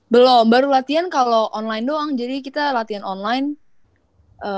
belum baru latihan kalau online doang jadi kita latihan online